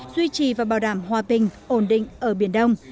duy trì và bảo đảm hòa bình ổn định ở biển đông